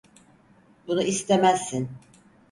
Bunu istemezsin.